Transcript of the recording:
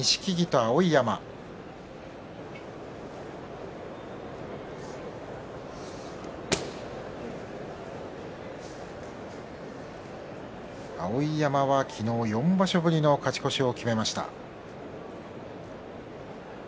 碧山は昨日４場所ぶりの勝ち越しを決めました。